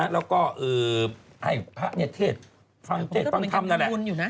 แล้วก็ให้ภาพเทศฟังธรรมนั่นแหละ